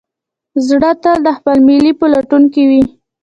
زړه تل د خپل مل په لټون کې وي.